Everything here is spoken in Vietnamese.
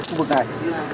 khu vực này